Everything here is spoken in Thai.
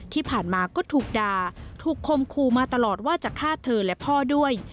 ที่ผ่านมาก็ถูกด่าถูกคมคู่มาตลอดว่าจะฆ่าเธอและพ่อด้วย